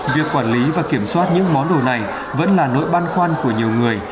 việc quản lý và kiểm soát những món đồ này vẫn là nỗi băn khoăn của nhiều người